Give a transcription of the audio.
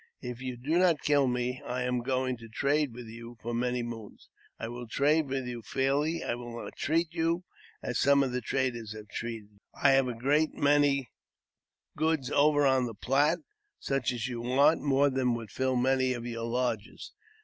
If you do not kill me, I am going to trade with you for many moons. I will trade with you fairly ; I will not cheat you, as some traders have cheated you. I have a great many goods over on the Platte, such as you want, more than would fill many of your lodges.